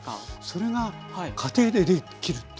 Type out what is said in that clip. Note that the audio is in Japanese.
それが家庭でできるっていう。